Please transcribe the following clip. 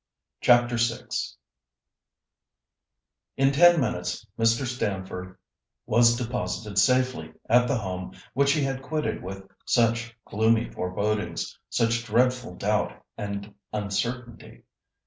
CHAPTER VI In ten minutes Mr. Stamford was deposited safely at the home which he had quitted with such gloomy forebodings, such dreadful doubt and uncertainty.